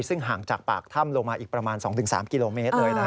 ซึ่งห่างจากปากถ้ำลงมาอีกประมาณ๒๓กิโลเมตรเลยนะ